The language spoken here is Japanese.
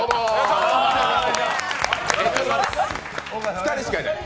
２人しかいない！